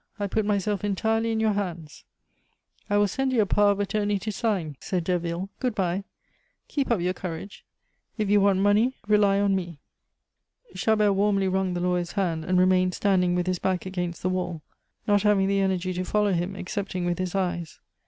"I put myself entirely in your hands." "I will send you a power of attorney to sign," said Derville. "Good bye. Keep up your courage. If you want money, rely on me." Chabert warmly wrung the lawyer's hand, and remained standing with his back against the wall, not having the energy to follow him excepting with his eyes.